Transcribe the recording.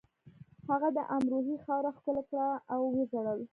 هغه د امروهې خاوره ښکل کړه او وژړل